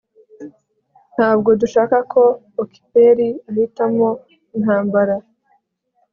ntabwo dushaka ko okperi ahitamo intambara